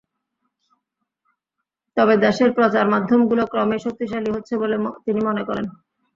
তবে দেশের প্রচার মাধ্যমগুলো ক্রমেই শক্তিশালী হচ্ছে বলে তিনি মনে করেন।